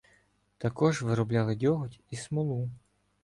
Також виробляли дьоготь і смолу.